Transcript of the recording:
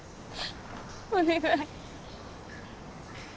お願い。